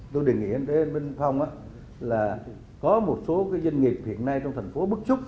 tôi đề nghị đến bên phong là có một số doanh nghiệp hiện nay trong thành phố bức xúc